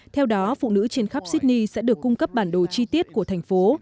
theo đó phụ nữ trên khắp sydney sẽ được cung cấp bản đồ chi tiết của thành phố